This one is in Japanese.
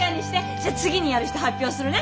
じゃ次にやる人発表するね。